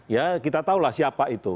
ya kita tahulah siapa itu